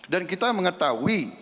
dan kita mengetahui